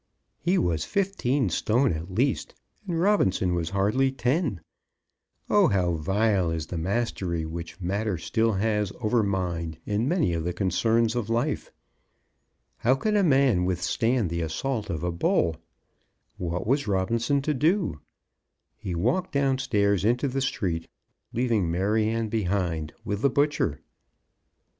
He was fifteen stone at least, and Robinson was hardly ten. Oh, how vile is the mastery which matter still has over mind in many of the concerns of life! How can a man withstand the assault of a bull? What was Robinson to do? He walked downstairs into the street, leaving Maryanne behind with the butcher.